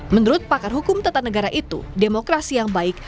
menurut pakar hukum tata negara itu demokrasi yang baik